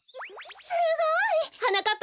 すごい！はなかっ